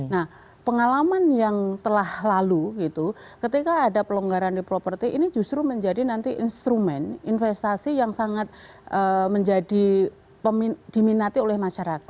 nah pengalaman yang telah lalu gitu ketika ada pelonggaran di properti ini justru menjadi nanti instrumen investasi yang sangat menjadi diminati oleh masyarakat